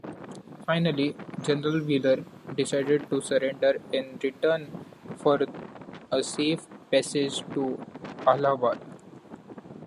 Finally, General Wheeler decided to surrender, in return for a safe passage to Allahabad.